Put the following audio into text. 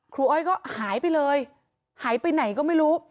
อ้อยก็หายไปเลยหายไปไหนก็ไม่รู้